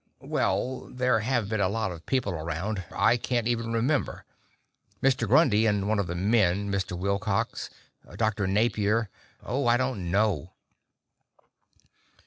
"Well, there have been a lot of people around. I can't even remember. Mr. Grundy and one of the men, Mr. Wilcox, Dr. Napier oh, I don't know!"